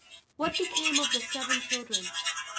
What became of the seven children?